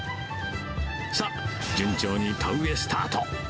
さあ、順調に田植えスタート。